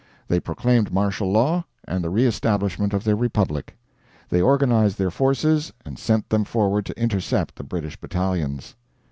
They proclaimed martial law and the re establishment of their Republic. They organized their forces and sent them forward to intercept the British battalions.